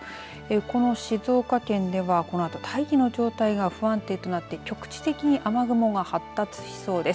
この静岡県ではこのあと大気の状態が不安定となって局地的に雨雲が発達しそうです。